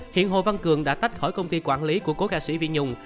hiện hồ văn cường đã tách khỏi công ty quản lý của cô ca sĩ phi nhung